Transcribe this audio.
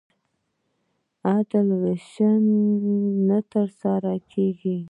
عادلانه وېش نه ترسره کېږي.